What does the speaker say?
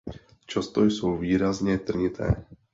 Často jsou výrazně trnité.